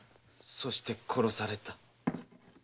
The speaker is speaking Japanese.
そして殺された。